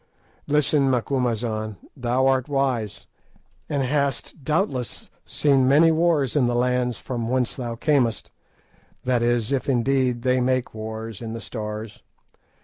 Listen, Macumazahn. Thou art wise, and hast doubtless seen many wars in the lands from whence thou camest—that is if indeed they make wars in the Stars.